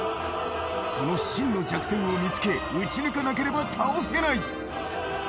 その真の弱点を見つけ、撃ち抜かなければ倒せない。